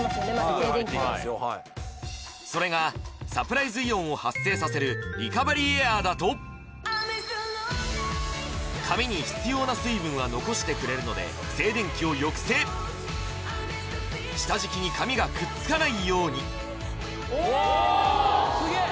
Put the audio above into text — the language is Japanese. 静電気でそれがサプライズイオンを発生させるリカバリーエアーだと髪に必要な水分は残してくれるので静電気を抑制下敷きに髪がくっつかないようにうわすげえ！